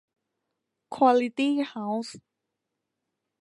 ควอลิตี้เฮ้าส์